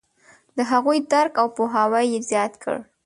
د هغوی درک او پوهاوی یې زیات کړ.